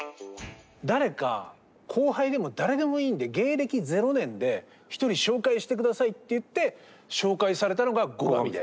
誰か後輩でも誰でもいいんで芸歴０年で１人紹介して下さいって言って紹介されたのが後上で。